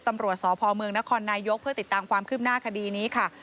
ตำรวจสพมนนายกเพื่อติดตามความขึ้นหน้าคดีนี้ค่ะ